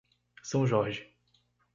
São Jorge